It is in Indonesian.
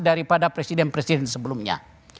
daripada presiden presiden sebelumnya